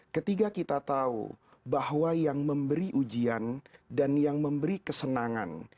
ketiga kita tahu bahwa yang memberi ujian dan yang memberi kesenangan